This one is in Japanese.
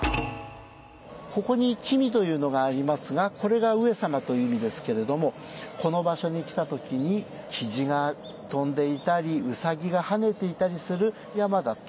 ここに「后」というのがありますがこれが上様という意味ですけれどもこの場所に来た時に雉が飛んでいたり兎が跳ねていたりする山だった。